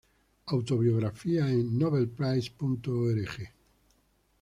Autobiografía en nobelprize.org